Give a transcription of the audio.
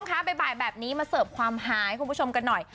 คุณผู้ชมค่ะใบบายแบบนี้มาเสิร์ฟความหาย